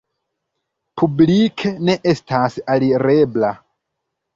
Publike ne estas alirebla.